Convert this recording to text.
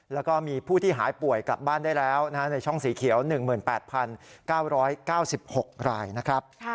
แล้วก็มีผู้ที่หายป่วยกลับบ้านได้แล้วนะคะในช่องสีเขียวหนึ่งหมื่นแปดพันเก้าร้อยเก้าสิบหกรายนะครับ